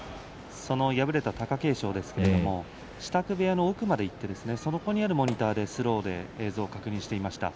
敗れた貴景勝ですが支度部屋の奥まで行ってそこにあるモニターでスロー映像を確認していました。